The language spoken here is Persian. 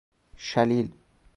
شلیل